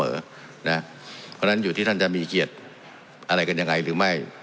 เพราะฉะนั้นอยู่ที่ท่านจะมีเกียรติอะไรกันยังไงหรือไม่